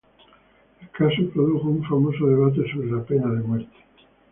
El caso produjo un famoso debate sobre la pena de muerte.